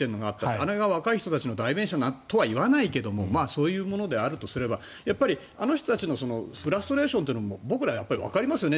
あの辺は若い人たちの代弁者とは言わないけどそういうものであるとすればやっぱり、あの人たちのフラストレーションも僕ら、わかりますよね。